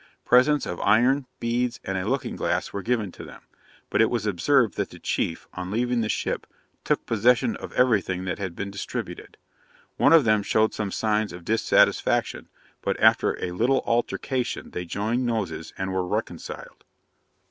Presents of iron, beads, and a looking glass were given to them; but it was observed that the chief, on leaving the ship, took possession of everything that had been distributed. One of them showed some signs of dissatisfaction; but after a little altercation they joined noses and were reconciled.